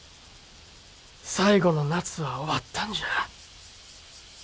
最後の夏は終わったんじゃ。